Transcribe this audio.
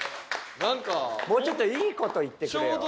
もうちょっといい事を言ってくれよ。